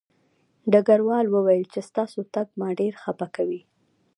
ډګروال وویل چې ستاسو تګ ما ډېر خپه کوي